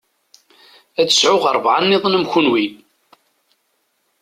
Ad sɛuɣ rebɛa nniḍen am kunwi.